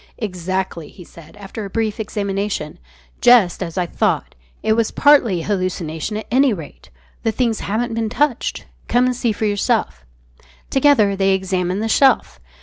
"Exactly," he said, after a brief examination; "just as I thought. It was partly hallucination, at any rate. The things haven't been touched. Come and see for yourself." Together they examined the shelf.